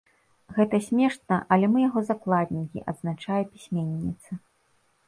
Гэта смешна, але мы яго закладнікі, адзначае пісьменніца.